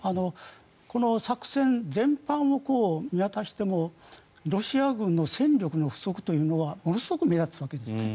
この作戦全般を見渡してもロシア軍の戦力の不足というのはものすごく目立つわけですね。